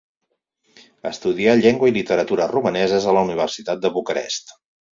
Estudià llengua i literatura romaneses a la Universitat de Bucarest.